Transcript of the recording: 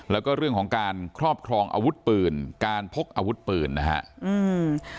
แล้วก็เรื่องของการครอบครองอาวุธปืนการพกอาวุธปืนนะฮะอืม